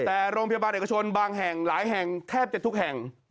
แต่โรงพยาบาลเอกชนบางแห่งหลายแห่งแทบจะทุกแห่ง